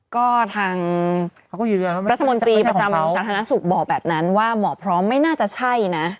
ก็ทางพระสมมติประจำสาธารณสุขบอกแบบนั้นว่าหมอพร้อมไม่น่าจะใช่น่ะ